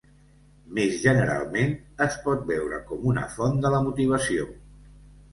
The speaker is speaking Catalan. Més generalment, es pot veure com una font de la motivació.